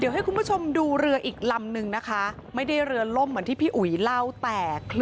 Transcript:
เดี๋ยวให้คุณผู้ชมดูเรืออีกลำนึงนะคะไม่ได้เรือล่มเหมือนที่พี่อุ๋ยเล่าแต่คลิป